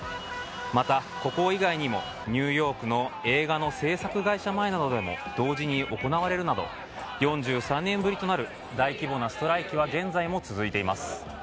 また、ここ以外にもニューヨークの映画の制作会社前などでも同時に行われるなど４３年ぶりとなる大規模なストライキは現在も続いています。